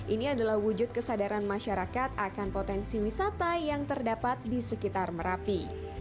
ini adalah wujud kesadaran masyarakat akan potensi wisata yang terdapat di sekitar merapi